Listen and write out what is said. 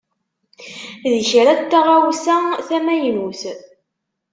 D kra n taɣawsa tamynut.